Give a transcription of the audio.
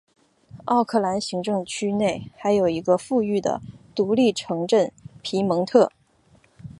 奥克兰行政区内还有一个富裕的独立城镇皮蒙特。